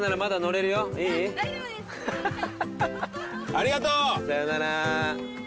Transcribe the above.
ありがとうさようなら